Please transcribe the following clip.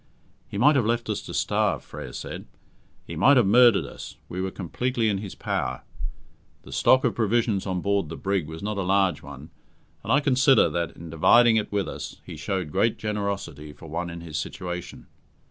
"He might have left us to starve," Frere said; "he might have murdered us; we were completely in his power. The stock of provisions on board the brig was not a large one, and I consider that, in dividing it with us, he showed great generosity for one in his situation."